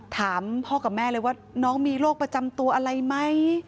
ถามพ่อกับแม่เลยว่าน้องมีโรคประจำตัวอะไรไหม